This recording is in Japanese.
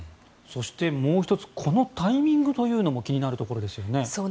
そしてもう１つこのタイミングというのも気になるところですよね。